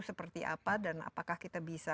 seperti apa dan apakah kita bisa